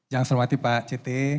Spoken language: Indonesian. yang selamat itu pak citi